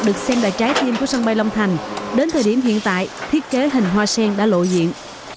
được xem là trái tim của sân bay long thành đến thời điểm hiện tại thiết kế hình hoa sen đã lộ diện